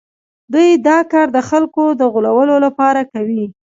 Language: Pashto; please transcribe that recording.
دوی دا کار د خلکو د غولولو لپاره کوي